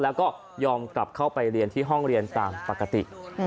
แล้วก็ยอมกลับเข้าไปเรียนที่ห้องเรียนตามปกติ